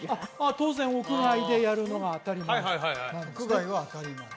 当然屋外でやるのが当たり前なんですね